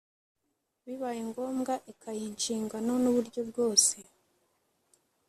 bibaye ngombwa ikayiha inshingano n uburyo bwose